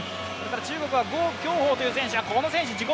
中国は呉卿風という選手が自己